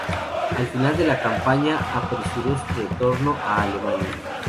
Al final de la campaña, apresuró su retorno a Alemania.